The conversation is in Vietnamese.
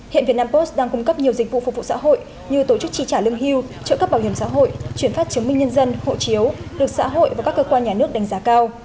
hiện việt nam post đang cung cấp nhiều dịch vụ phục vụ xã hội như tổ chức tri trả lương hưu trợ cấp bảo hiểm xã hội chuyển phát chứng minh nhân dân hộ chiếu được xã hội và các cơ quan nhà nước đánh giá cao